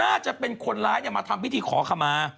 น่าจะเป็นคนร้ายมาทำพิธีขอขมา